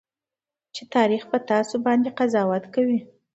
چې تاريخ به تاسو باندې قضاوت کوي.